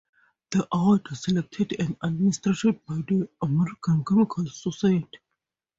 The awards are selected and administered by the American Chemical Society.